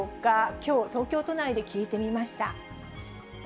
きょう、東京都内で聞いてみました。